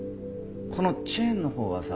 このチェーンのほうはさ